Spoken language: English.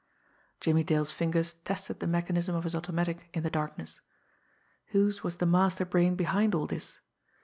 Jimmie Dale's fingers tested the mechanism of his automatic in the darkness. Whose was the master brain behind all this?